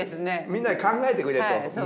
みんなで考えてくれと。